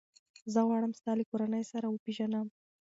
زه غواړم ستا له کورنۍ سره وپېژنم.